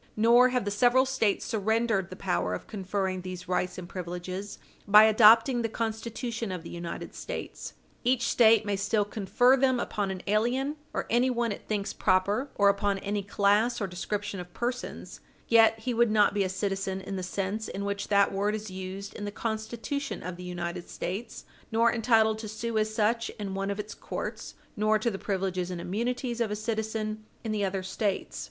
Nor have the several States surrendered the power of conferring these rights and privileges by adopting the Constitution of the United States. Each State may still confer them upon an alien, or anyone it thinks proper, or upon any class or description of persons, yet he would not be a citizen in the sense in which that word is used in the Constitution of the United States, nor entitled to sue as such in one of its courts, nor to the privileges and immunities of a citizen in the other States.